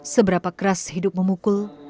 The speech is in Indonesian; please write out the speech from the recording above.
seberapa keras hidup memukul